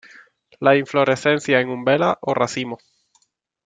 Las inflorescencias en umbelas o racimos.